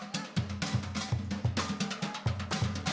get nong itu ciptaannya